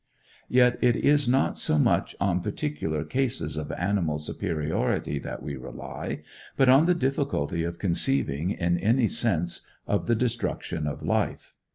Yet it is not so much on particular cases of animal superiority that we rely, but on the difficulty of conceiving, in any sense, of the destruction of life.